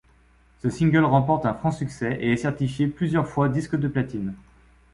Ce single remporte un franc succès et est certifié plusieurs fois disque de platine.